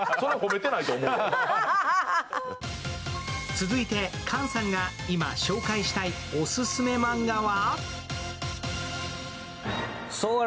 続いて、菅さんが今、紹介したいオススメマンガは？